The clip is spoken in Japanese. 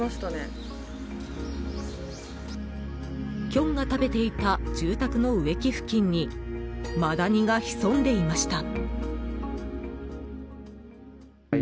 キョンが食べていた住宅の植木付近にマダニが潜んでいました。